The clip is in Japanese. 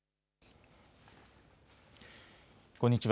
こんにちは。